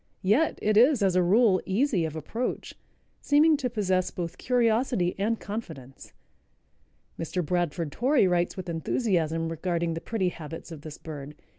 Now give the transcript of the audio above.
Yet it is, as a rule, easy of approach, seeming to possess both curiosity and confidence. Mr. Bradford Torrey writes with enthusiasm regarding the pretty habits of this bird.